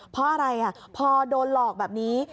เพราะอะไรพอโดนหลอกแบบนี้